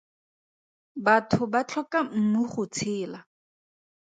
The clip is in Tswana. Batho ba tlhoka mmu go tshela.